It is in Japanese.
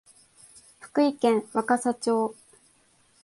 福井県若狭町